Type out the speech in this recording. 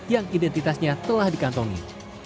yang identitasnya telah dikantongi